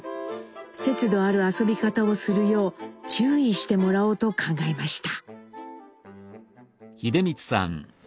節度ある遊び方をするよう注意してもらおうと考えました。